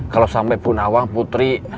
kalau sampai bu nawang putri